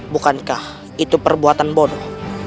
bukankah itu perbuatan bodoh